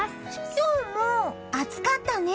今日も暑かったね。